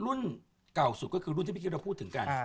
รุ่นเก่าสุดก็คือรุ่นที่พี่คิดเราพูดถึงกัน